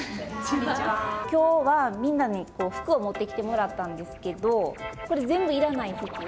今日はみんなに服を持ってきてもらったんですけどこれ全部いらない服？